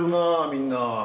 みんな。